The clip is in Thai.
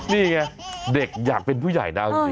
นี่ไงเด็กอยากเป็นผู้ใหญ่นะ